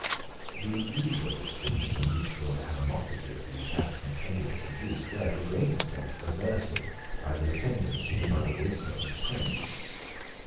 The evils which the mutual animosity of these factions tended to produce were, to a great extent, averted by the ascendency and by the wisdom of the Prince.